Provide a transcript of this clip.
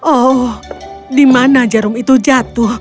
oh di mana jarum itu jatuh